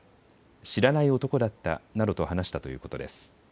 知らない男だったなどと話したということです。